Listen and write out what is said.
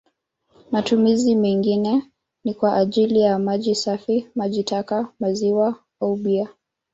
Matumizi mengine ni kwa ajili ya maji safi, maji taka, maziwa au bia.